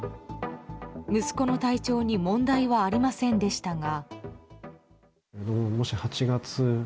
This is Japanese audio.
息子の体調に問題はありませんでしたが。